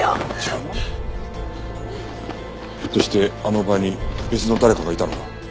ひょっとしてあの場に別の誰かがいたのか？